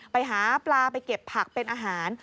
ไปหาปลาไปเก็บผักเป็นอาหาร